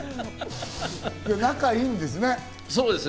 仲いいんですね。